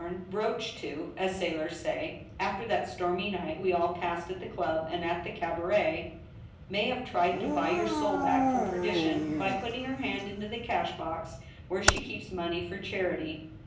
ANOTHER VERDICT, 219 broached to, as sailors say, after that stormy night we all passed at the club and the cabaret, may have tried to buy your soul back from perdition by putting her hand into the cash box, where she keeps money for charity.